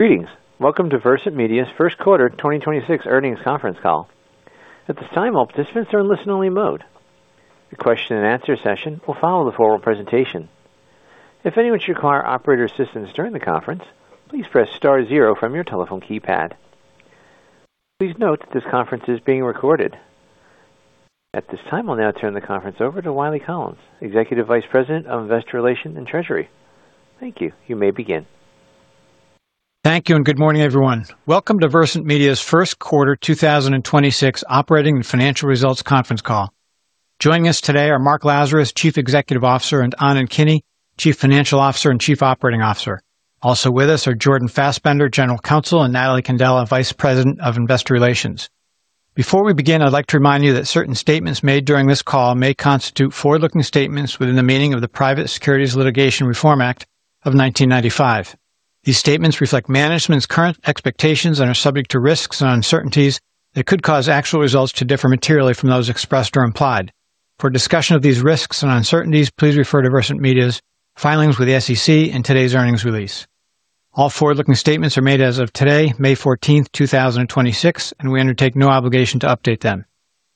Greetings. Welcome to Versant Media's first quarter 2026 earnings conference call. At this time, all participants are in listen-only mode. The question and answer session will follow the formal presentation. If anyone should require operator assistance during the conference, please press star zero from your telephone keypad. Please note this conference is being recorded. At this time, I'll now turn the conference over to Wylie Collins, Executive Vice President of Investor Relations and Treasury. Thank you. You may begin. Thank you, good morning, everyone. Welcome to Versant Media Group's first quarter 2026 operating and financial results conference call. Joining us today are Mark Lazarus, Chief Executive Officer, and Anand Kini, Chief Financial Officer and Chief Operating Officer. Also with us are Jordan Fasbender, General Counsel, and Natalie Candela, Vice President of Investor Relations. Before we begin, I'd like to remind you that certain statements made during this call may constitute forward-looking statements within the meaning of the Private Securities Litigation Reform Act of 1995. These statements reflect management's current expectations and are subject to risks and uncertainties that could cause actual results to differ materially from those expressed or implied. For discussion of these risks and uncertainties, please refer to Versant Media Group's filings with the SEC and today's earnings release. All forward-looking statements are made as of today, May 14, 2026, and we undertake no obligation to update them.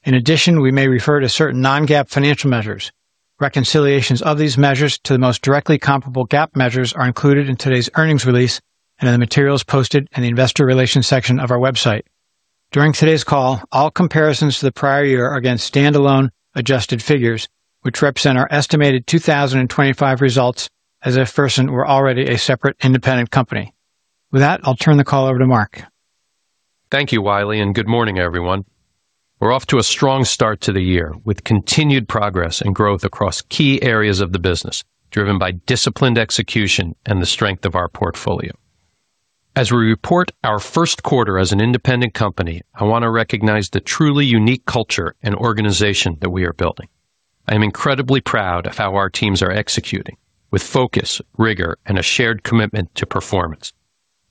In addition, we may refer to certain non-GAAP financial measures. Reconciliations of these measures to the most directly comparable GAAP measures are included in today's earnings release and in the materials posted in the investor relations section of our website. During today's call, all comparisons to the prior year are against standalone adjusted figures, which represent our estimated 2025 results as if Versant were already a separate independent company. With that, I'll turn the call over to Mark. Thank you, Wylie, and good morning, everyone. We're off to a strong start to the year with continued progress and growth across key areas of the business, driven by disciplined execution and the strength of our portfolio. As we report our first quarter as an independent company, I want to recognize the truly unique culture and organization that we are building. I am incredibly proud of how our teams are executing with focus, rigor, and a shared commitment to performance.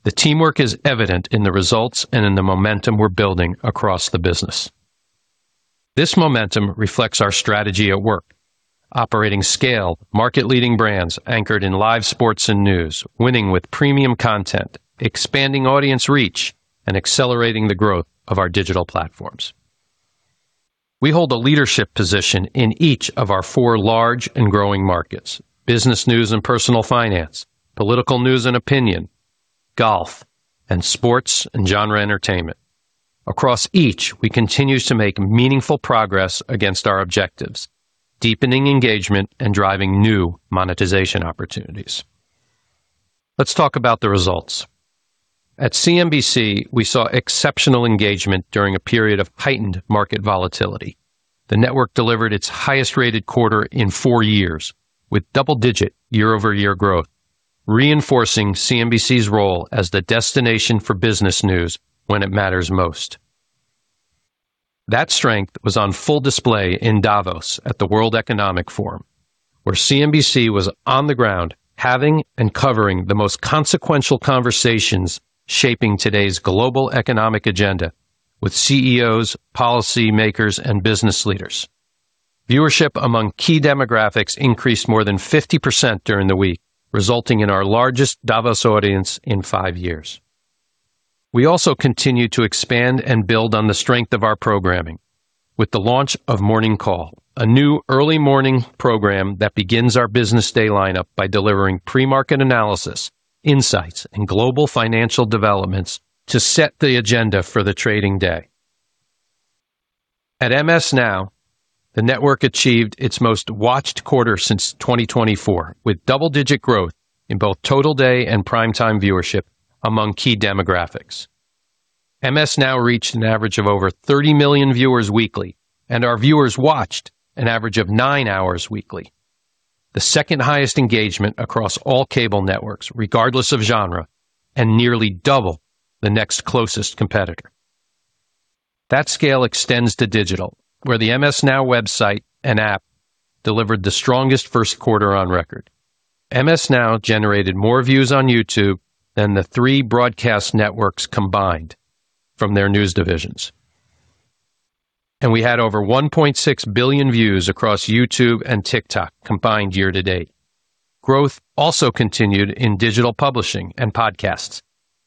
The teamwork is evident in the results and in the momentum we're building across the business. This momentum reflects our strategy at work, operating scale, market-leading brands anchored in live sports and news, winning with premium content, expanding audience reach, and accelerating the growth of our digital platforms. We hold a leadership position in each of our four large and growing markets: business news and personal finance, political news and opinion, golf, and sports and genre entertainment. Across each, we continue to make meaningful progress against our objectives, deepening engagement and driving new monetization opportunities. Let's talk about the results. At CNBC, we saw exceptional engagement during a period of heightened market volatility. The network delivered its highest-rated quarter in four years with double-digit year-over-year growth, reinforcing CNBC's role as the destination for business news when it matters most. That strength was on full display in Davos at the World Economic Forum, where CNBC was on the ground having and covering the most consequential conversations shaping today's global economic agenda with CEOs, policymakers, and business leaders. Viewership among key demographics increased more than 50% during the week, resulting in our largest Davos audience in five years. We also continue to expand and build on the strength of our programming with the launch of Morning Call, a new early morning program that begins our business day lineup by delivering pre-market analysis, insights, and global financial developments to set the agenda for the trading day. At MS NOW, the network achieved its most-watched quarter since 2024, with double-digit growth in both total day and prime time viewership among key demographics. MS NOW reached an average of over 30 million viewers weekly, and our viewers watched an average of nine hours weekly, the second highest engagement across all cable networks, regardless of genre, and nearly double the next closest competitor. That scale extends to digital, where the MS NOW website and app delivered the strongest first quarter on record. MS NOW generated more views on YouTube than the three broadcast networks combined from their news divisions. We had over 1.6 billion views across YouTube and TikTok combined year to date. Growth also continued in digital publishing and podcasts,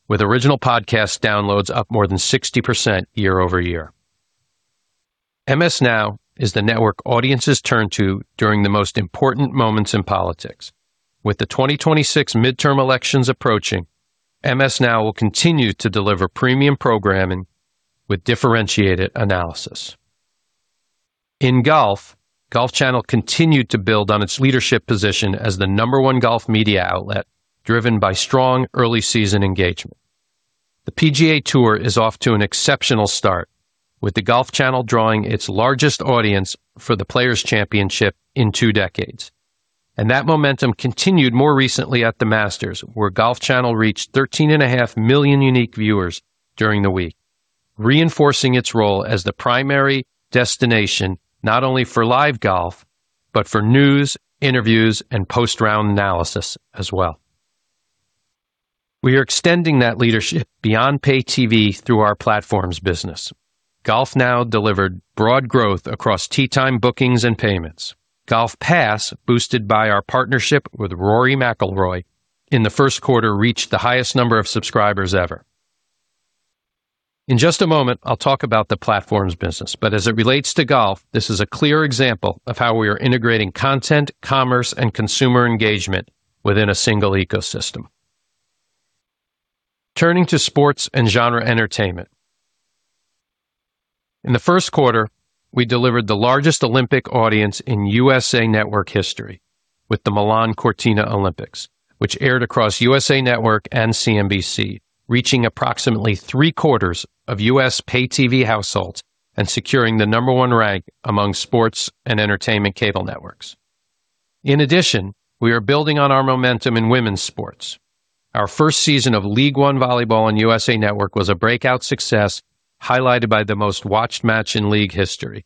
with original podcast downloads up more than 60% year-over-year. MS NOW is the network audiences turn to during the most important moments in politics. With the 2026 midterm elections approaching, MS NOW will continue to deliver premium programming with differentiated analysis. In golf, Golf Channel continued to build on its leadership position as the number one golf media outlet driven by strong early season engagement. The PGA Tour is off to an exceptional start with the Golf Channel drawing its largest audience for the Players Championship in two decades. That momentum continued more recently at The Masters Tournament, where Golf Channel reached 13.5 million unique viewers during the week, reinforcing its role as the primary destination not only for live golf but for news, interviews, and post-round analysis as well. We are extending that leadership beyond pay TV through our platforms business. GolfNow delivered broad growth across tee time bookings and payments. GolfPass, boosted by our partnership with Rory McIlroy, in the 1st quarter reached the highest number of subscribers ever. In just a moment, I'll talk about the platform's business, but as it relates to golf, this is a clear example of how we are integrating content, commerce, and consumer engagement within a single ecosystem. Turning to sports and genre entertainment. In the first quarter, we delivered the largest Olympic audience in USA Network history with the Milano Cortina Olympics, which aired across USA Network and CNBC, reaching approximately three-quarters of U.S. pay TV households and securing the number one rank among sports and entertainment cable networks. In addition, we are building on our momentum in women's sports. Our first season of League One Volleyball on USA Network was a breakout success, highlighted by the most-watched match in league history.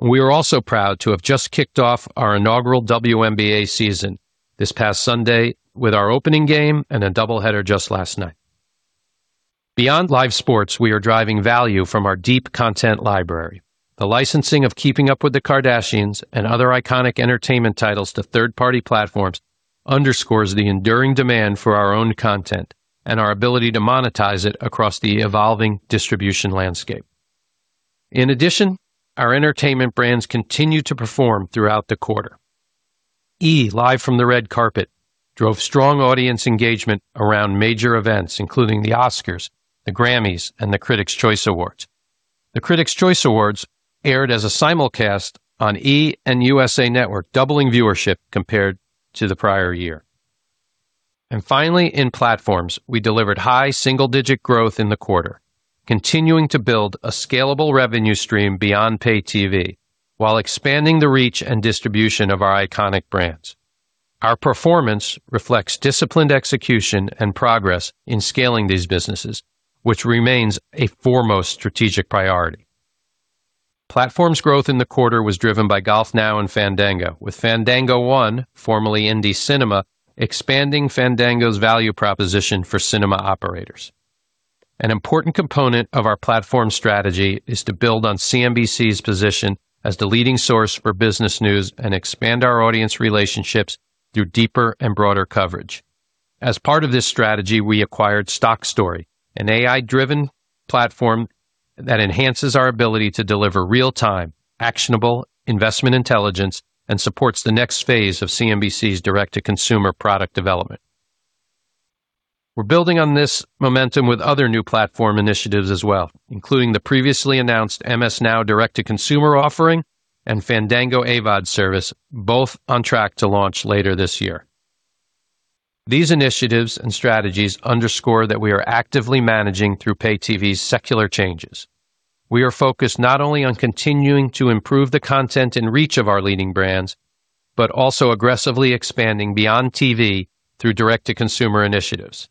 We are also proud to have just kicked off our inaugural WNBA season this past Sunday with our opening game and a double header just last night. Beyond live sports, we are driving value from our deep content library. The licensing of Keeping Up with the Kardashians and other iconic entertainment titles to third-party platforms underscores the enduring demand for our own content and our ability to monetize it across the evolving distribution landscape. In addition, our entertainment brands continue to perform throughout the quarter. E! Live from the Red Carpet drove strong audience engagement around major events, including the Oscars, the Grammys, and the Critics Choice Awards. The Critics Choice Awards aired as a simulcast on E! and USA Network, doubling viewership compared to the prior year. Finally, in platforms, we delivered high single-digit growth in the quarter, continuing to build a scalable revenue stream beyond pay TV while expanding the reach and distribution of our iconic brands. Our performance reflects disciplined execution and progress in scaling these businesses, which remains a foremost strategic priority. Platform's growth in the quarter was driven by GolfNow and Fandango, with Fandango One, formerly INDY Cinema, expanding Fandango's value proposition for cinema operators. An important component of our platform strategy is to build on CNBC's position as the leading source for business news and expand our audience relationships through deeper and broader coverage. As part of this strategy, we acquired StockStory, an AI-driven platform that enhances our ability to deliver real-time, actionable investment intelligence and supports the next phase of CNBC's direct-to-consumer product development. We're building on this momentum with other new platform initiatives as well, including the previously announced MS NOW direct-to-consumer offering and Fandango AVOD service, both on track to launch later this year. These initiatives and strategies underscore that we are actively managing through pay TV's secular changes. We are focused not only on continuing to improve the content and reach of our leading brands but also aggressively expanding beyond TV through direct-to-consumer initiatives.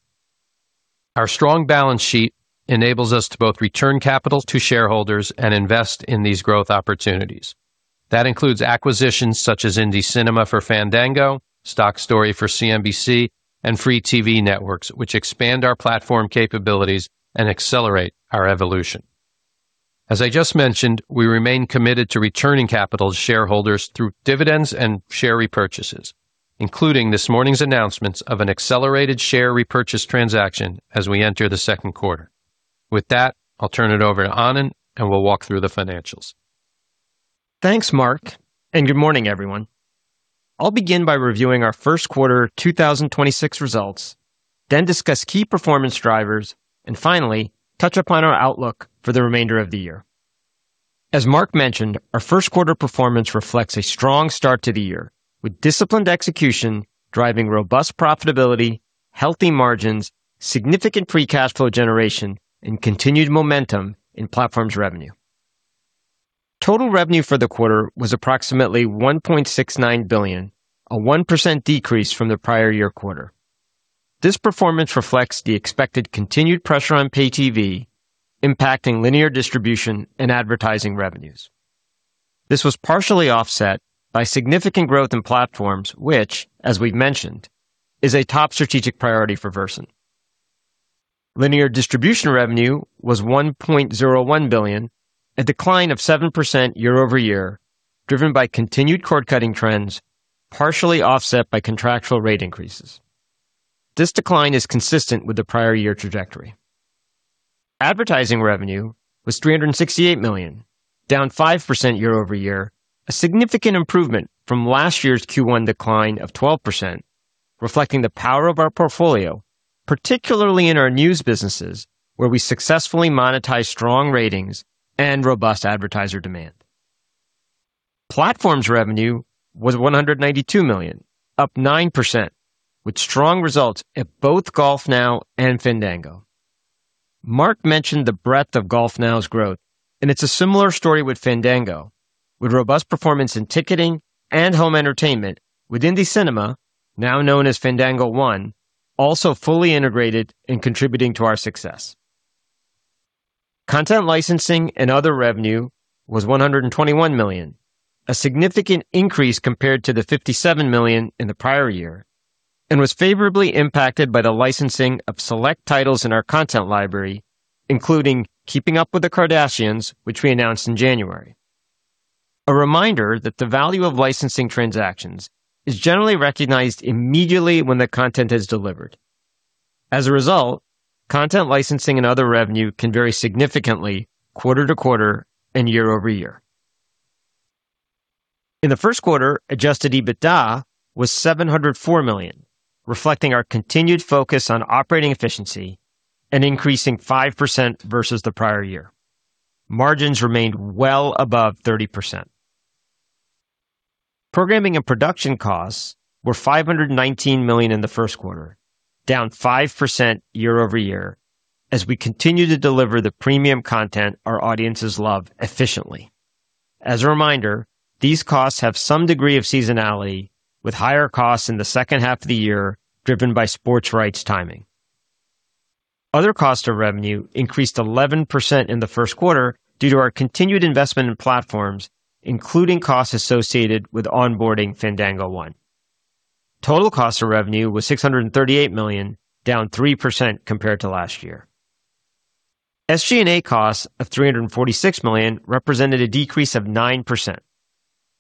Our strong balance sheet enables us to both return capital to shareholders and invest in these growth opportunities. That includes acquisitions such as INDY Cinema Group for Fandango, StockStory for CNBC, and Free TV Networks, which expand our platform capabilities and accelerate our evolution. As I just mentioned, we remain committed to returning capital to shareholders through dividends and share repurchases, including this morning's announcements of an accelerated share repurchase transaction as we enter the second quarter. With that, I'll turn it over to Anand. We'll walk through the financials. Thanks, Mark. Good morning, everyone. I'll begin by reviewing our first quarter 2026 results, then discuss key performance drivers, and finally touch upon our outlook for the remainder of the year. As Mark mentioned, our first quarter performance reflects a strong start to the year, with disciplined execution driving robust profitability, healthy margins, significant free cash flow generation, and continued momentum in platforms revenue. Total revenue for the quarter was approximately $1.69 billion, a 1% decrease from the prior year quarter. This performance reflects the expected continued pressure on pay TV impacting linear distribution and advertising revenues. This was partially offset by significant growth in platforms which, as we've mentioned, is a top strategic priority for Versant. Linear distribution revenue was $1.01 billion, a decline of 7% year-over-year, driven by continued cord-cutting trends, partially offset by contractual rate increases. This decline is consistent with the prior year trajectory. Advertising revenue was $368 million, down 5% year-over-year, a significant improvement from last year's Q1 decline of 12%, reflecting the power of our portfolio, particularly in our news businesses, where we successfully monetize strong ratings and robust advertiser demand. Platform's revenue was $192 million, up 9%, with strong results at both GolfNow and Fandango. Mark mentioned the breadth of GolfNow's growth, and it's a similar story with Fandango, with robust performance in ticketing and home entertainment with INDY Cinema Group, now known as Fandango One, also fully integrated and contributing to our success. Content licensing and other revenue was $121 million, a significant increase compared to the $57 million in the prior year. Was favorably impacted by the licensing of select titles in our content library, including Keeping Up with the Kardashians, which we announced in January. A reminder that the value of licensing transactions is generally recognized immediately when the content is delivered. As a result, content licensing and other revenue can vary significantly quarter-to-quarter and year-over-year. In the first quarter, adjusted EBITDA was $704 million, reflecting our continued focus on operating efficiency and increasing 5% versus the prior year. Margins remained well above 30%. Programming and production costs were $519 million in the first quarter, down 5% year-over-year, as we continue to deliver the premium content our audiences love efficiently. As a reminder, these costs have some degree of seasonality, with higher costs in the second half of the year driven by sports rights timing. Other costs of revenue increased 11% in the first quarter due to our continued investment in platforms, including costs associated with onboarding Fandango One. Total cost of revenue was $638 million, down 3% compared to last year. SG&A costs of $346 million represented a decrease of 9%.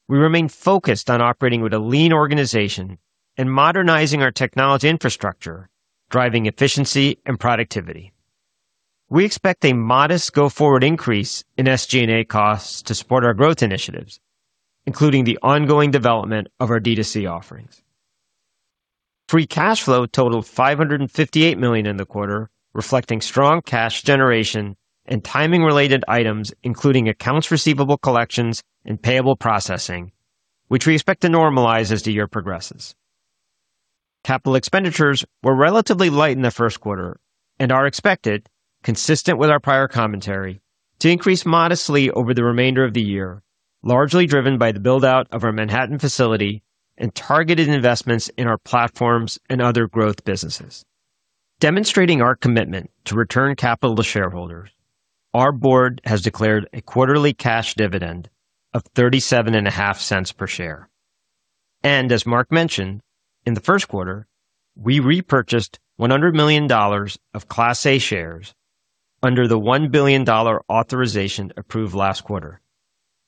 We remain focused on operating with a lean organization and modernizing our technology infrastructure, driving efficiency and productivity. We expect a modest go-forward increase in SG&A costs to support our growth initiatives, including the ongoing development of our D2C offerings. Free cash flow totaled $558 million in the quarter, reflecting strong cash generation and timing-related items, including accounts receivable collections and payable processing, which we expect to normalize as the year progresses. Capital expenditures were relatively light in the first quarter and are expected, consistent with our prior commentary, to increase modestly over the remainder of the year, largely driven by the build-out of our Manhattan facility and targeted investments in our platforms and other growth businesses. Demonstrating our commitment to return capital to shareholders, our board has declared a quarterly cash dividend of $0.375 per share. As Mark mentioned, in the first quarter, we repurchased $100 million of Class A shares under the $1 billion authorization approved last quarter.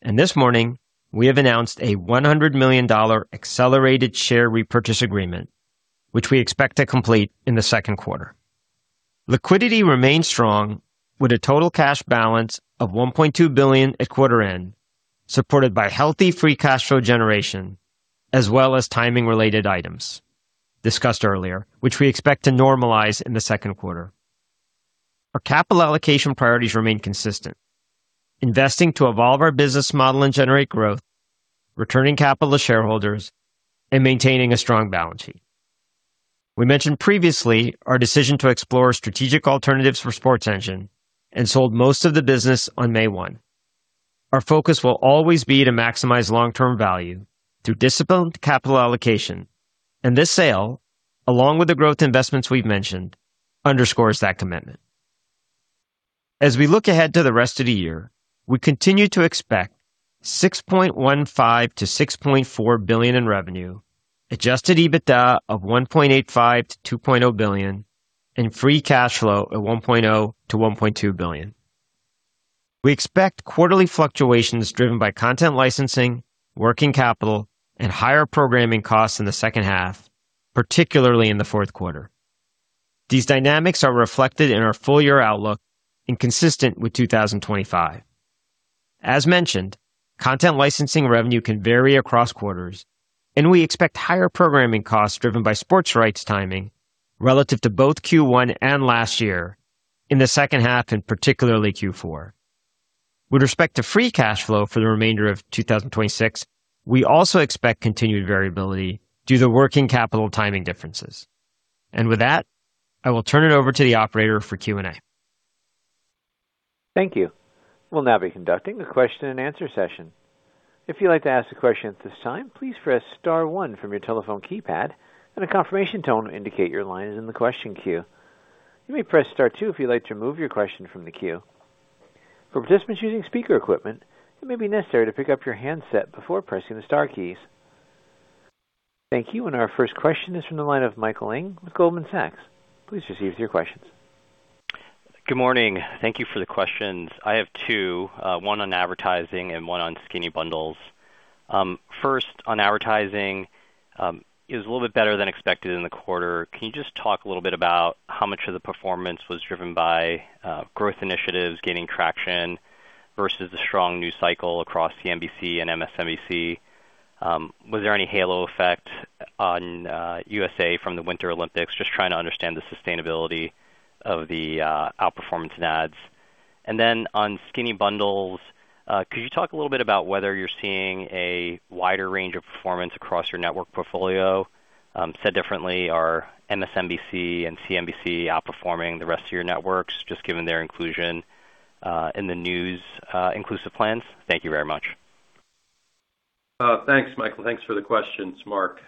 This morning, we have announced a $100 million accelerated share repurchase agreement, which we expect to complete in the second quarter. Liquidity remains strong with a total cash balance of $1.2 billion at quarter end, supported by healthy free cash flow generation as well as timing-related items discussed earlier, which we expect to normalize in the second quarter. Our capital allocation priorities remain consistent, investing to evolve our business model and generate growth, returning capital to shareholders, and maintaining a strong balance sheet. We mentioned previously our decision to explore strategic alternatives for SportsEngine and sold most of the business on May 1. Our focus will always be to maximize long-term value through disciplined capital allocation, and this sale, along with the growth investments we've mentioned, underscores that commitment. As we look ahead to the rest of the year, we continue to expect $6.15 billion-$6.4 billion in revenue, adjusted EBITDA of $1.85 billion-$2.0 billion, and free cash flow at $1.0 billion-$1.2 billion. We expect quarterly fluctuations driven by content licensing, working capital, and higher programming costs in the second half, particularly in the fourth quarter. These dynamics are reflected in our full year outlook and consistent with 2025. As mentioned, content licensing revenue can vary across quarters, and we expect higher programming costs driven by sports rights timing relative to both Q1 and last year in the second half and particularly Q4. With respect to free cash flow for the remainder of 2026, we also expect continued variability due to working capital timing differences. With that, I will turn it over to the operator for Q&A. Thank you. We'll now be conducting a question and answer session. If you'd like to ask a question at this time, please press star one from your telephone keypad, and a confirmation tone will indicate your line is in the question queue. You may press star two if you'd like to remove your question from the queue. For participants using speaker equipment, it may be necessary to pick up your handset before pressing the star keys. Thank you. Our first question is from the line of Michael Ng with Goldman Sachs. Please proceed with your questions. Good morning. Thank you for the questions. I have two, one on advertising and one on skinny bundles. First, on advertising, it was a little bit better than expected in the quarter. Can you just talk a little bit about how much of the performance was driven by growth initiatives gaining traction versus the strong news cycle across CNBC and MSNBC? Was there any halo effect on USA from the Winter Olympics? Just trying to understand the sustainability of the outperformance in ads. Then on skinny bundles, could you talk a little bit about whether you're seeing a wider range of performance across your network portfolio? Said differently, are MSNBC and CNBC outperforming the rest of your networks just given their inclusion in the news inclusive plans? Thank you very much. Thanks, Michael. Thanks for the questions, it's Mark.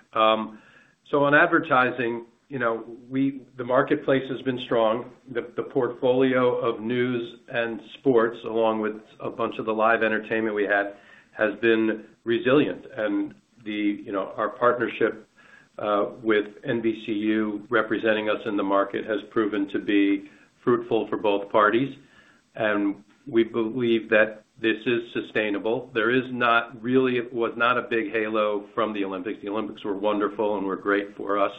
On advertising. You know, the marketplace has been strong. The portfolio of news and sports, along with a bunch of the live entertainment we had, has been resilient. The, you know, our partnership with NBCU representing us in the market has proven to be fruitful for both parties. We believe that this is sustainable. It was not a big halo from the Olympics. The Olympics were wonderful and were great for us.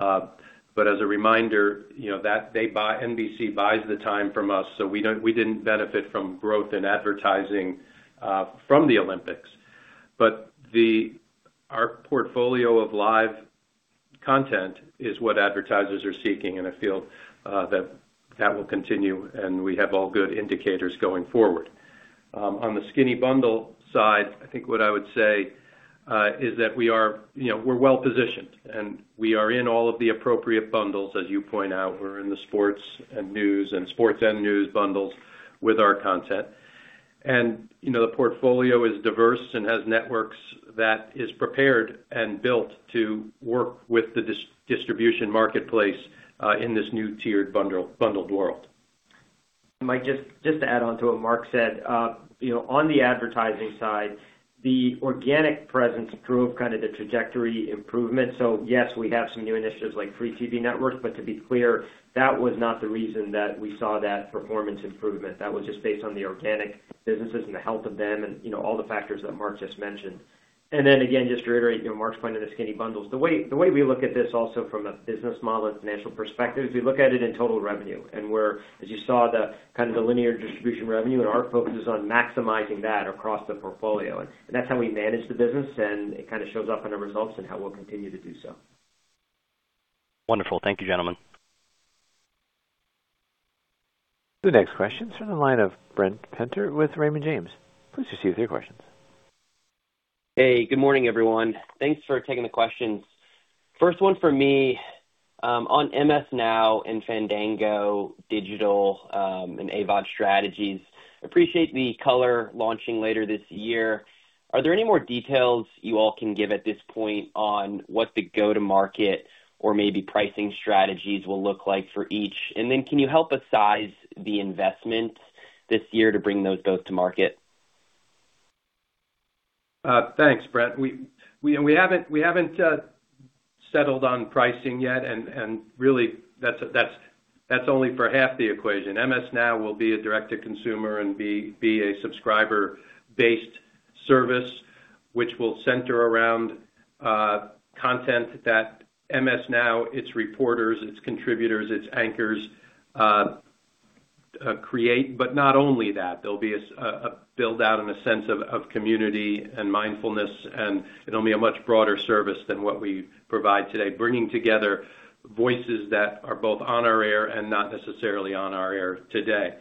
As a reminder, you know, that NBC buys the time from us, we didn't benefit from growth in advertising from the Olympics. Our portfolio of live content is what advertisers are seeking, and I feel that that will continue, and we have all good indicators going forward. On the skinny bundle side, I think what I would say is that we are, you know, we're well-positioned, and we are in all of the appropriate bundles. As you point out, we're in the sports and news bundles with our content. You know, the portfolio is diverse and has networks that is prepared and built to work with the distribution marketplace in this new tiered bundled world. Mike, just to add on to what Mark said, you know, on the advertising side, the organic presence drove kind of the trajectory improvement. Yes, we have some new initiatives like Free TV Networks, but to be clear, that was not the reason that we saw that performance improvement. That was just based on the organic businesses and the health of them and, you know, all the factors that Mark just mentioned. Again, just to reiterate, you know, Mark's point on the skinny bundles. The way we look at this also from a business model and financial perspective is we look at it in total revenue and where, as you saw, the kind of the linear distribution revenue and our focus is on maximizing that across the portfolio. That's how we manage the business, and it kinda shows up in the results and how we'll continue to do so. Wonderful. Thank you, gentlemen. The next question is from the line of Brent Thill with Raymond James. Please proceed with your questions. Hey, good morning, everyone. Thanks for taking the questions. First one for me, on MS NOW and Fandango digital, and AVOD strategies. Appreciate the color launching later this year. Are there any more details you all can give at this point on what the go-to-market or maybe pricing strategies will look like for each? Can you help us size the investment this year to bring those both to market? Thanks, Brent. We haven't settled on pricing yet, really that's only for half the equation. MS NOW will be a direct-to-consumer and be a subscriber-based service, which will center around content that MS NOW, its reporters, its contributors, its anchors, create, but not only that. There'll be a build-out in a sense of community and mindfulness, and it'll be a much broader service than what we provide today, bringing together voices that are both on our air and not necessarily on our air today.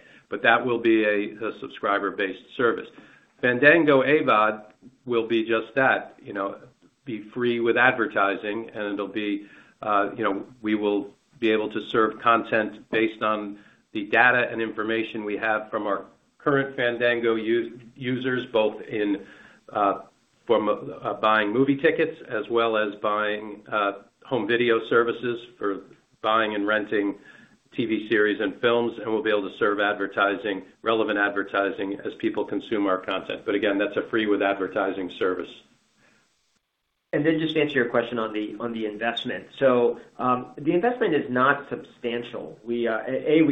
That will be a subscriber-based service. Fandango AVOD will be just that, you know, be free with advertising, and it'll be, you know, we will be able to serve content based on the data and information we have from our current Fandango U.S. users, both in form of buying movie tickets as well as buying home video services for buying and renting TV series and films. We'll be able to serve advertising, relevant advertising as people consume our content. Again, that's a free with advertising service. Just to answer your question on the investment. The investment is not substantial. We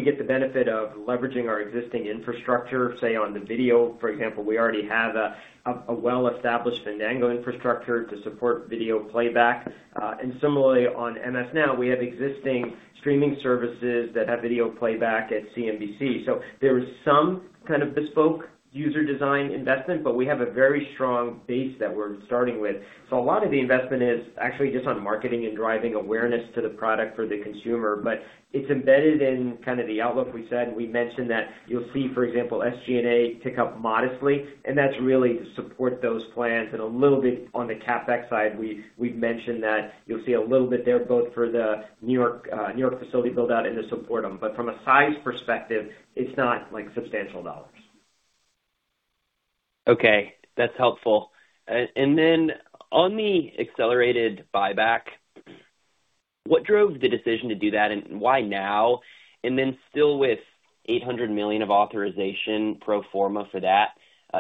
get the benefit of leveraging our existing infrastructure, on the video, for example. We already have a well-established Fandango infrastructure to support video playback. Similarly on MS NOW, we have existing streaming services that have video playback at CNBC. There is some kind of bespoke user design investment, but we have a very strong base that we're starting with. A lot of the investment is actually just on marketing and driving awareness to the product for the consumer, but it's embedded in kind of the outlook we set. We mentioned that you'll see, for example, SG&A tick up modestly, and that's really to support those plans and a little bit on the CapEx side. We've mentioned that you'll see a little bit there both for the New York facility build-out and to support them. From a size perspective, it's not like substantial dollars. Okay. That's helpful. On the accelerated buyback, what drove the decision to do that, and why now? Still with $800 million of authorization pro forma for that,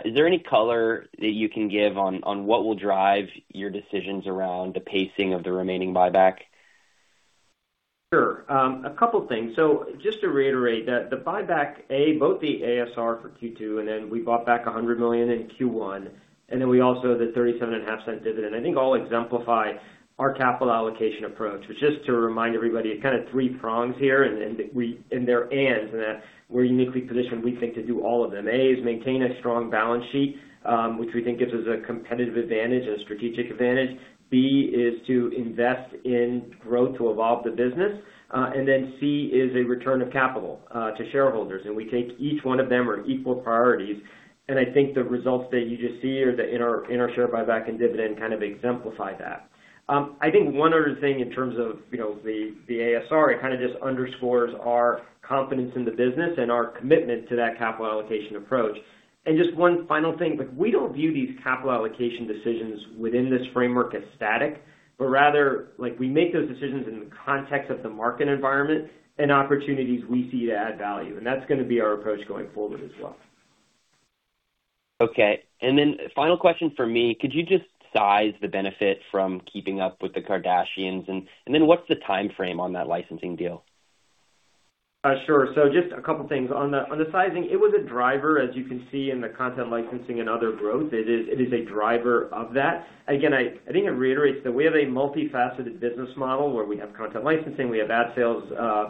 is there any color that you can give on what will drive your decisions around the pacing of the remaining buyback? Sure. A couple things. Just to reiterate that the buyback, A, both the ASR for Q2, and then we bought back $100 million in Q1, and then we also have the $0.375 dividend. I think all exemplify our capital allocation approach. Just to remind everybody, kind of three prongs here, and they're ands in that we're uniquely positioned, we think, to do all of them. A is maintain a strong balance sheet, which we think gives us a competitive advantage and a strategic advantage. B is to invest in growth to evolve the business. C is a return of capital to shareholders. We think each one of them are equal priorities, and I think the results that you just see in our share buyback and dividend kind of exemplify that. I think one other thing in terms of, you know, the ASR, it kind of just underscores our confidence in the business and our commitment to that capital allocation approach. Just one final thing, like we don't view these capital allocation decisions within this framework as static, but rather, like we make those decisions in the context of the market environment and opportunities we see to add value. That's going to be our approach going forward as well. Okay. Final question from me. Could you just size the benefit from Keeping Up With the Kardashians? What's the timeframe on that licensing deal? Sure. Just a couple things. On the, on the sizing, it was a driver, as you can see in the content licensing and other growth. It is a driver of that. I think I reiterated that we have a multifaceted business model where we have content licensing, we have ad sales,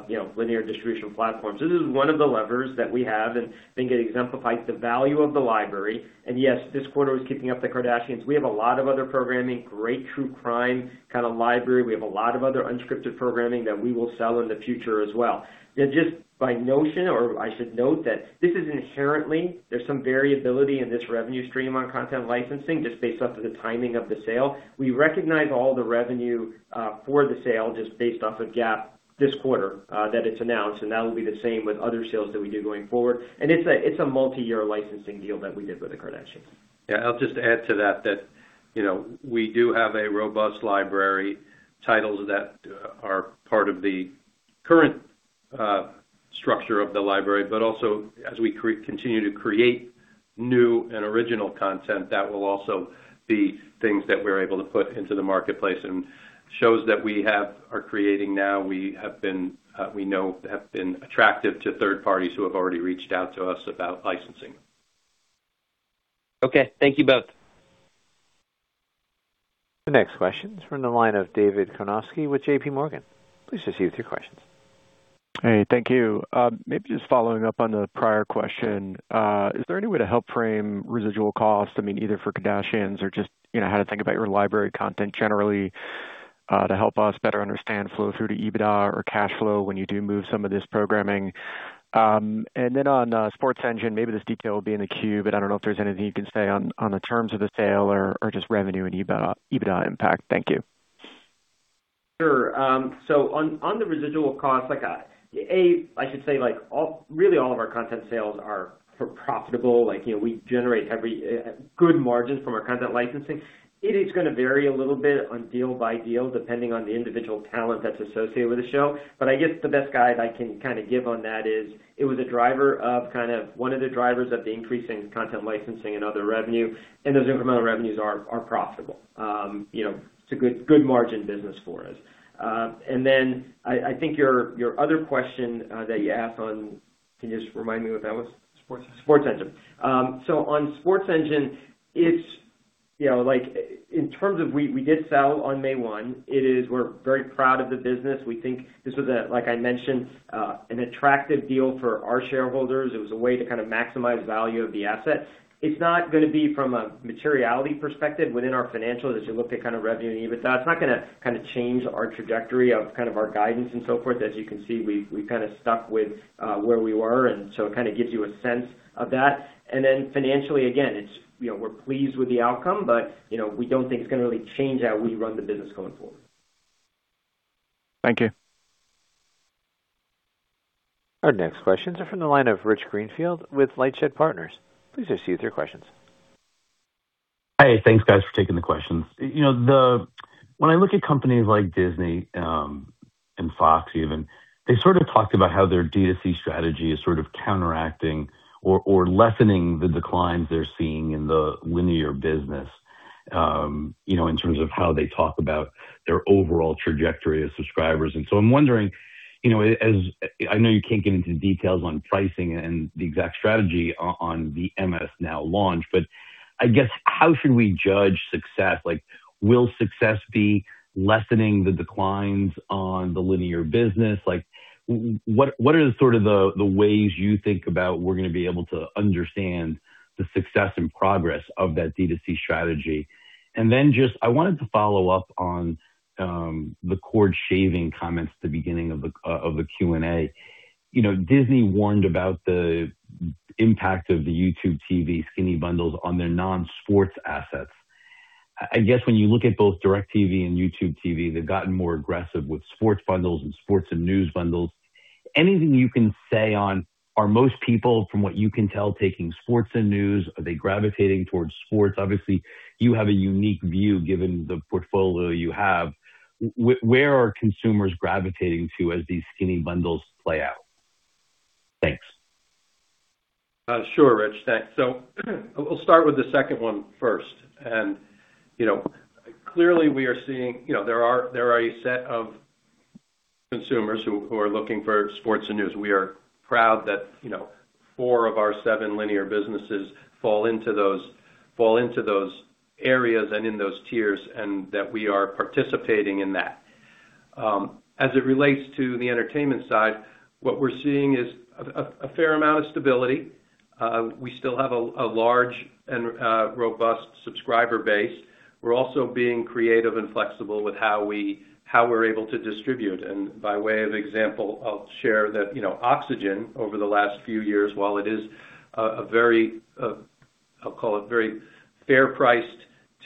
you know, linear distribution platforms. This is one of the levers that we have and think it exemplifies the value of the library. Yes, this quarter was Keeping Up with the Kardashians. We have a lot of other programming, great true crime kind of library. We have a lot of other unscripted programming that we will sell in the future as well. Just by notion or I should note that this is inherently there's some variability in this revenue stream on content licensing just based off of the timing of the sale. We recognize all the revenue for the sale just based off of GAAP this quarter that it's announced, and that will be the same with other sales that we do going forward. It's a multi-year licensing deal that we did with the Kardashians. I'll just add to that, you know, we do have a robust library titles that are part of the current structure of the library, but also as we continue to create new and original content, that will also be things that we're able to put into the marketplace. Shows that we are creating now, we know have been attractive to third parties who have already reached out to us about licensing. Okay. Thank you both. The next question is from the line of David Karnovsky with JPMorgan. Please proceed with your questions. Hey, thank you. Maybe just following up on the prior question. Is there any way to help frame residual costs, I mean, either for Kardashians or just, you know, how to think about your library content generally, to help us better understand flow through to EBITDA or cash flow when you do move some of this programming? Then on SportsEngine, maybe this detail will be in the queue, but I don't know if there's anything you can say on the terms of the sale or just revenue and EBITDA impact. Thank you. Sure. On, on the residual costs, like, A, I should say like really all of our content sales are profitable. Like, you know, we generate every good margins from our content licensing. It is gonna vary a little bit on deal by deal, depending on the individual talent that's associated with the show. I guess the best guide I can kinda give on that is it was a driver of kind of one of the drivers of the increasing content licensing and other revenue, and those incremental revenues are profitable. You know, it's a good margin business for us. Then I think your other question that you asked on Can you just remind me what that was? SportsEngine. SportsEngine. On SportsEngine, it's, you know, like, in terms of we did sell on May 1. We're very proud of the business. We think this was a, like I mentioned, an attractive deal for our shareholders. It was a way to kind of maximize value of the asset. It's not gonna be from a materiality perspective within our financials as you look to kind of revenue and EBITDA. It's not gonna kinda change our trajectory of kind of our guidance and so forth. As you can see, we've kinda stuck with where we were, it kinda gives you a sense of that. Financially, again, it's, you know, we're pleased with the outcome, you know, we don't think it's gonna really change how we run the business going forward. Thank you. Our next questions are from the line of Rich Greenfield with LightShed Partners. Please proceed with your questions. Hey, thanks, guys, for taking the questions. You know, when I look at companies like Disney and Fox even, they sort of talked about how their D2C strategy is sort of counteracting or lessening the declines they're seeing in the linear business, you know, in terms of how they talk about their overall trajectory of subscribers. I'm wondering, you know, as I know you can't get into details on pricing and the exact strategy on the MS NOW launch, but I guess how should we judge success? Like, will success be lessening the declines on the linear business? Like, what are sort of the ways you think about we're gonna be able to understand the success and progress of that D2C strategy? Just I wanted to follow up on the cord shaving comments at the beginning of the Q&A. You know, Disney warned about the impact of the YouTube TV skinny bundles on their non-sports assets. I guess when you look at both DirecTV and YouTube TV, they've gotten more aggressive with sports bundles and sports and news bundles. Anything you can say on, are most people, from what you can tell, taking sports and news? Are they gravitating towards sports? Obviously, you have a unique view given the portfolio you have. Where are consumers gravitating to as these skinny bundles play out? Thanks. Sure, Rich. Thanks. I'll start with the second one first. You know, clearly we are seeing You know, there are a set of consumers who are looking for sports and news. We are proud that, you know, four of our seven linear businesses fall into those areas and in those tiers, and that we are participating in that. As it relates to the entertainment side, what we're seeing is a fair amount of stability. We still have a large and robust subscriber base. We're also being creative and flexible with how we're able to distribute. By way of example, I'll share that, you know, Oxygen over the last few years, while it is a very, I'll call it very fair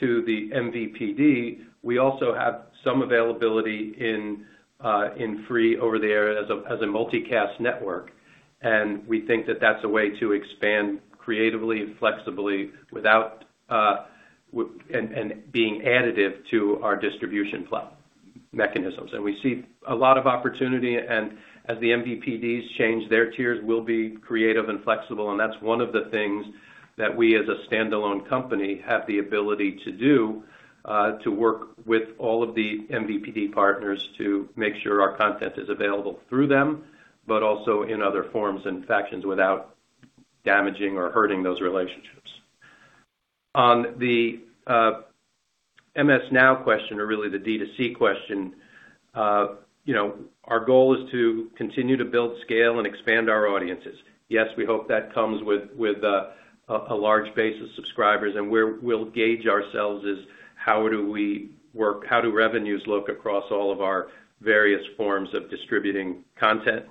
priced to the MVPD, we also have some availability in free over the air as a multicast network, and we think that that's a way to expand creatively and flexibly without and being additive to our distribution flow mechanisms. We see a lot of opportunity. As the MVPDs change their tiers, we'll be creative and flexible. That's one of the things that we, as a standalone company, have the ability to do, to work with all of the MVPD partners to make sure our content is available through them, but also in other forms and factions without damaging or hurting those relationships. On the MS NOW question, or really the D2C question, our goal is to continue to build scale and expand our audiences. Yes, we hope that comes with a large base of subscribers. Where we'll gauge ourselves is how do we work, how do revenues look across all of our various forms of distributing content?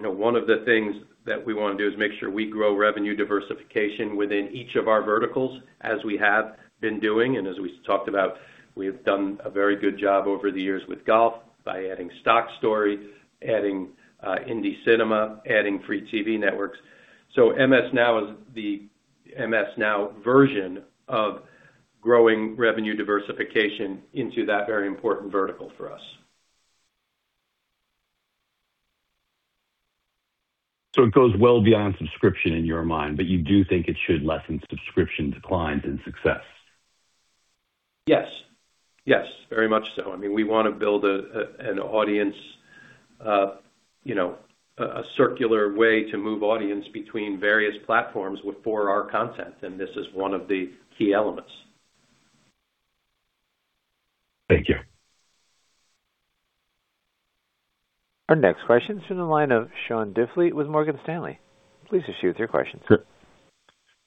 One of the things that we want to do is make sure we grow revenue diversification within each of our verticals, as we have been doing. As we talked about, we have done a very good job over the years with golf by adding StockStory, adding INDY Cinema Group, adding Free TV Networks. MS NOW is the MS NOW version of growing revenue diversification into that very important vertical for us. It goes well beyond subscription in your mind, but you do think it should lessen subscription declines and success? Yes. Yes, very much so. I mean, we wanna build an audience, you know, a circular way to move audience between various platforms for our content. This is one of the key elements. Thank you. Our next question is from the line of Sean Diffley with Morgan Stanley. Please proceed with your questions.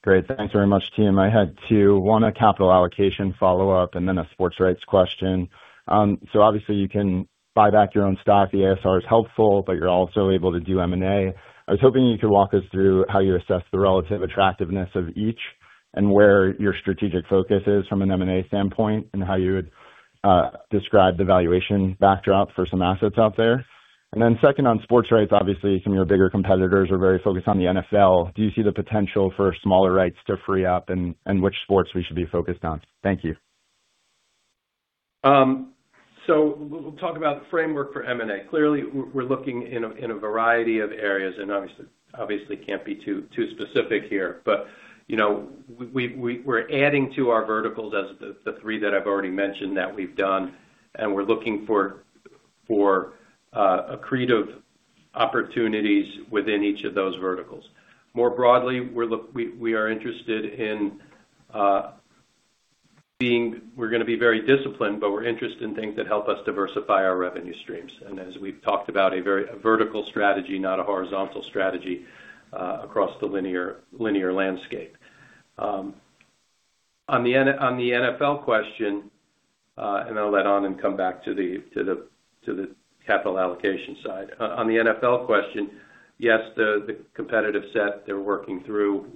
Great. Thanks very much, team. I had two. One, a capital allocation follow-up, and then a sports rights question. Obviously, you can buy back your own stock. The ASR is helpful, but you're also able to do M&A. I was hoping you could walk us through how you assess the relative attractiveness of each and where your strategic focus is from an M&A standpoint, and how you would describe the valuation backdrop for some assets out there. Then second, on sports rights, obviously, some of your bigger competitors are very focused on the NFL. Do you see the potential for smaller rights to free up, and which sports we should be focused on? Thank you. We'll talk about the framework for M&A. Clearly, we're looking in a variety of areas and obviously can't be too specific here. You know, we're adding to our verticals as the three that I've already mentioned that we've done, and we're looking for creative opportunities within each of those verticals. More broadly, we are interested in being We're gonna be very disciplined, but we're interested in things that help us diversify our revenue streams. As we've talked about, a vertical strategy, not a horizontal strategy, across the linear landscape. On the NFL question, I'll let Anand come back to the capital allocation side. On the NFL question, yes, the competitive set, they're working through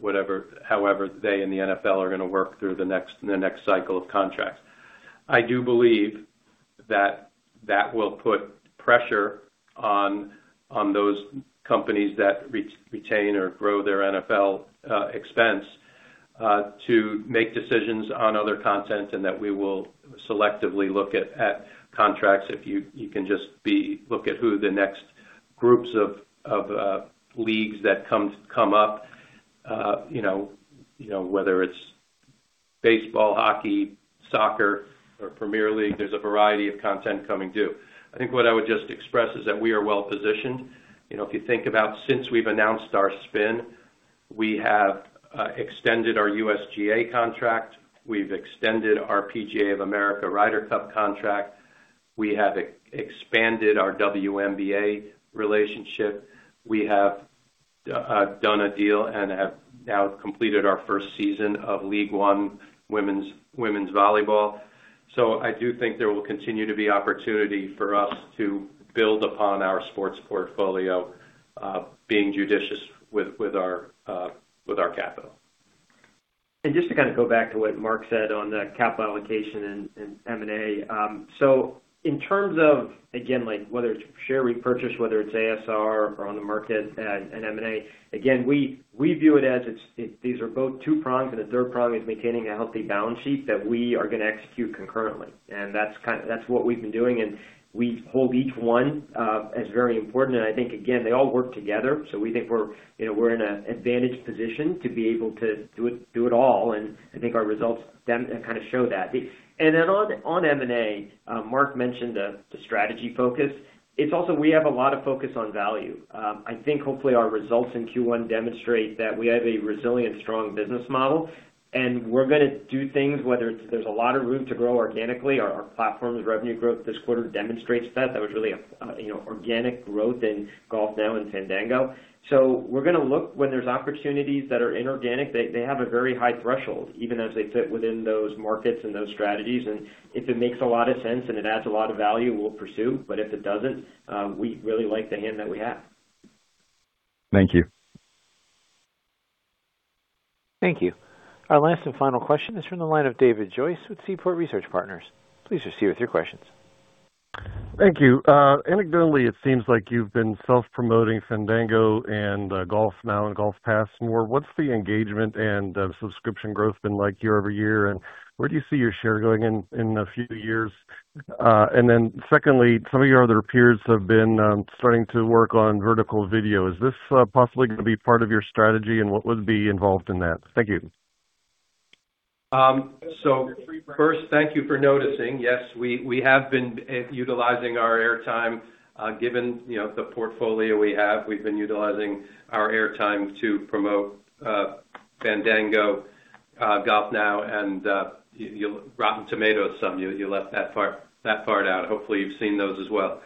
however they in the NFL are going to work through the next cycle of contracts. I do believe that that will put pressure on those companies that retain or grow their NFL expense to make decisions on other content and that we will selectively look at contracts. If you can just look at who the next groups of leagues that come up, you know, whether it's baseball, hockey, soccer or Premier League, there's a variety of content coming due. I think what I would just express is that we are well-positioned. You know, if you think about since we've announced our spin, we have extended our USGA contract, we've extended our PGA of America Ryder Cup contract, we have expanded our WNBA relationship. We have done a deal and have now completed our first season of League One women's Volleyball. I do think there will continue to be opportunity for us to build upon our sports portfolio, being judicious with our capital. Just to kind of go back to what Mark said on the capital allocation and M&A. In terms of, again, whether it's share repurchase, whether it's ASR or on the market at an M&A, again, we view it as these are both two prongs, and the third prong is maintaining a healthy balance sheet that we are gonna execute concurrently. That's what we've been doing, and we hold each one as very important. I think, again, they all work together, so we think we're in a advantaged position to be able to do it, do it all, and I think our results kind of show that. On M&A, Mark mentioned the strategy focus. It's also, we have a lot of focus on value. I think hopefully our results in Q1 demonstrate that we have a resilient, strong business model. We're gonna do things, whether it's there's a lot of room to grow organically. Our platform's revenue growth this quarter demonstrates that. That was really organic growth in GolfNow and Fandango. We're gonna look when there's opportunities that are inorganic. They have a very high threshold, even as they fit within those markets and those strategies. If it makes a lot of sense and it adds a lot of value, we'll pursue. If it doesn't, we really like the hand that we have. Thank you. Thank you. Our last and final question is from the line of David Joyce with Seaport Research Partners. Please proceed with your questions. Thank you. Anecdotally, it seems like you've been self-promoting Fandango and GolfNow and GolfPass more. What's the engagement and subscription growth been like year-over-year, and where do you see your share going in a few years? Secondly, some of your other peers have been starting to work on vertical video. Is this possibly gonna be part of your strategy, and what would be involved in that? Thank you. First, thank you for noticing. Yes, we have been utilizing our airtime. Given, you know, the portfolio we have, we've been utilizing our airtime to promote Fandango, GolfNow and Rotten Tomatoes. Some of you left that far out. Hopefully, you've seen those as well.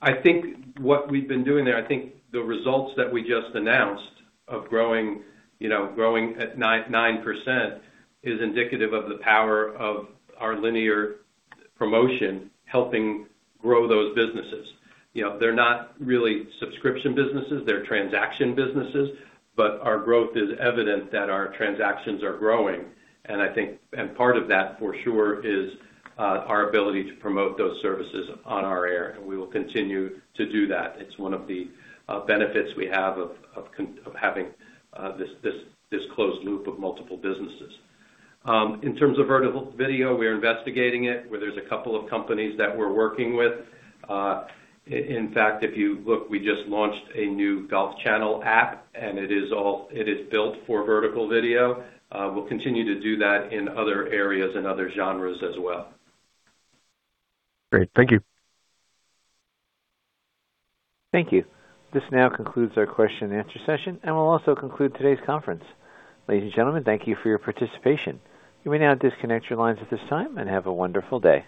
I think what we've been doing there, I think the results that we just announced of growing, you know, growing at 9% is indicative of the power of our linear promotion helping grow those businesses. You know, they're not really subscription businesses, they're transaction businesses. Our growth is evident that our transactions are growing. Part of that for sure is our ability to promote those services on our air. We will continue to do that. It's one of the benefits we have of having this closed loop of multiple businesses. In terms of vertical video, we are investigating it, where there's a couple of companies that we're working with. In fact, if you look, we just launched a new Golf Channel app, and it is built for vertical video. We'll continue to do that in other areas and other genres as well. Great. Thank you. Thank you. This now concludes our question and answer session and will also conclude today's conference. Ladies and gentlemen, thank you for your participation. You may now disconnect your lines at this time, and have a wonderful day.